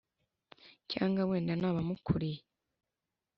Cyangwa wenda n`abamukuriye.